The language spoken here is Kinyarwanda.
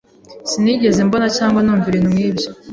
Sinigeze mbona cyangwa numva ibintu nk'ibyo.